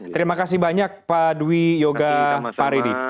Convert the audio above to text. terima kasih banyak pak dwi yoga paredi